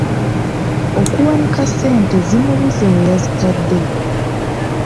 Okuwanika ssente zimubuze we yazitadde.